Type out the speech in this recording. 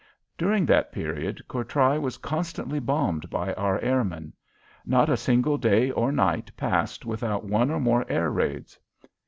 During that period, Courtrai was constantly bombed by our airmen. Not a single day or night passed without one or more air raids.